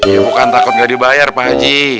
ya bukan takut nggak dibayar pakji